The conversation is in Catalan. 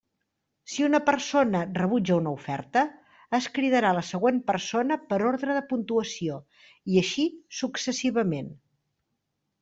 Si una persona rebutja una oferta, es cridarà la següent persona per ordre de puntuació, i així successivament.